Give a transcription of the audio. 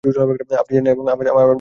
আপনি জনি এবং আমার বাবার সাথে কী করেছেন?